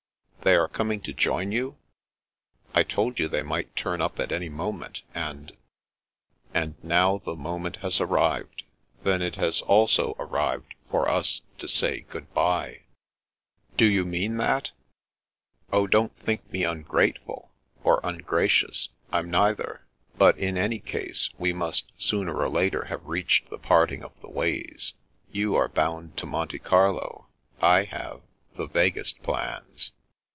" They are coming to join you ?"" I told you they might turn up at any moment, and "" And now the moment has arrived. Then it has also arrived for us to say good bye." 26o The Princess Passes " Do you mean that ?"" Oh, don't think me ungrateful— or ungracious. I'm neither. But, in any case, we must sooner or later have reached the parting of the ways. You are bound to Monte Carlo. I have — ^the vaguest plans."